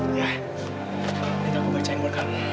nanti aku baca yang buat kamu